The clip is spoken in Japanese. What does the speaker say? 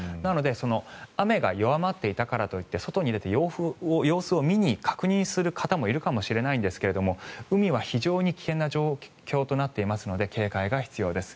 なので雨が弱まっていたからといって外に出て様子を見に確認する方もいるかもしれないんですが海は非常に危険な状況となっていますので警戒が必要です。